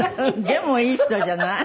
でもいい人じゃない？